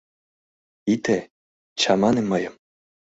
Ите, чамане мыйым...